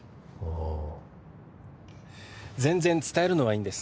あ全然伝えるのはいいんです